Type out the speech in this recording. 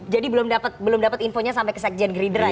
jadi belum dapet infonya sampai ke sekjen geridra ya